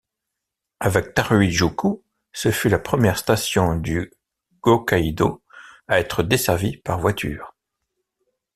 Avec Tarui-juku, ce fut la première station du Gokaido à être desservie par voitures.